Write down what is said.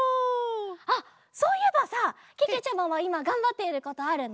あっそういえばさけけちゃまはいまがんばっていることあるの？